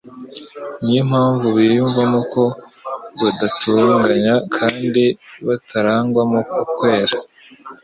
niyo mpamvu biyumvamo ko badaturuganye kandi batarangwamo ukwera.